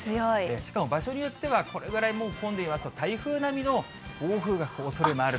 しかも場所によっては、これぐらいもう混んでいますと、台風並みの暴風が吹くおそれもある。